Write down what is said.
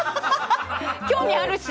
興味あるし。